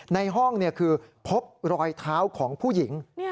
ในห้องคือพบรอยเท้าของผู้หญิง